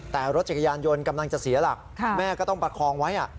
แต่รถจักรยานยนต์กำลังจะเสียหลักแม่ก็ต้องประคองไว้